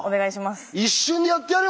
一瞬でやってやるよ